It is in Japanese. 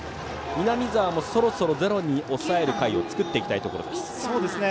南澤もそろそろゼロに抑える回を作っていきたいところです。